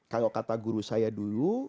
kalau kata guru saya dulu